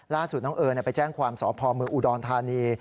ล่าสุดน้องเอิญไปแจ้งความสพเมืองอุดรธานี